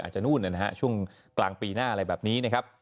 จะนู่นนะฮะช่วงกลางปีหน้าอะไรแบบนี้นะครับ